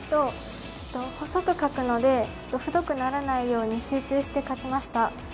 細く描くので太くならないように集中して描きました。